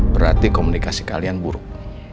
berarti komunikasi kalian buruk